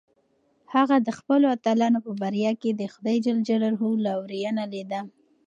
هغه د خپلو اتلانو په بریا کې د خدای لورینه لیده.